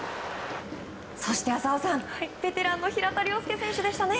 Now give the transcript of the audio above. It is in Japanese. そして浅尾さん、ベテランの平田良介選手でしたね。